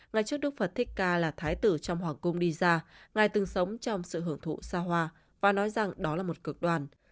ngày trước đức phật thích ca là thái tử trong hoàng cung đi ra ngài từng sống trong sự hưởng thụ xa hoa và nói rằng đó là một cực đoàn